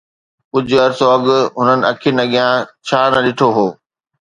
ڪجهه عرصو اڳ هنن اکين اڳيان ڇا نه ڏٺو هو